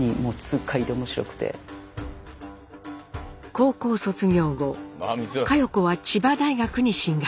高校卒業後佳代子は千葉大学に進学。